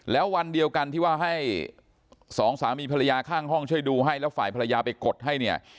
แล้ววันเดียวกันที่ว่าให้สองสามีภรรยาข้างห้องช่วยดูให้แล้วฝ่ายภรรยาไปกดให้เนี่ย